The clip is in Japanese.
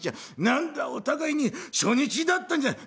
「何だお互いに初日だったんじゃない」。